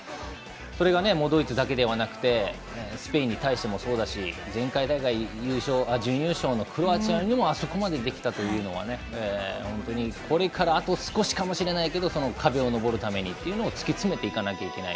それがドイツだけではなくてスペインに対してもそうだし前回大会準優勝のクロアチアにもあそこまでできたっていうのはこれからあと少しかもしれないけど壁を登るためにというのを突き詰めていかないといけない